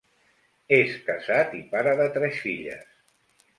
És casat i pare de tres filles.